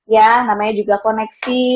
ya namanya juga koneksi